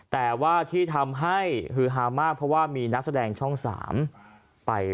แต่ว่าที่ทำให้ฮือฮามากเพราะว่ามีนักแสดงช่อง๓ไป